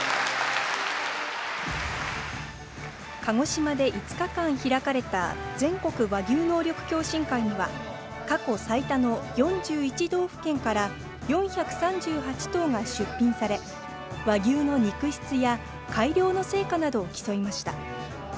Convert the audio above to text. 鹿児島で５日間開かれた全国和牛能力共進会には過去最多の４１道府県から４３８頭が出品され、和牛の肉質や改良の成果などを競いました。